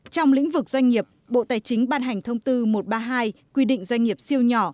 trong lĩnh vực doanh nghiệp bộ tài chính ban hành thông tư một trăm ba mươi hai quy định doanh nghiệp siêu nhỏ